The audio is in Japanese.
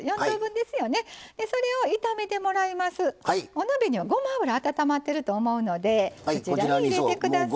お鍋にはごま油温まってると思うのでこちらに入れて下さい。